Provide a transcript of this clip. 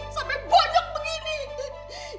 sampai bohong begini